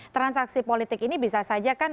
transaksi politik ini bisa saja kan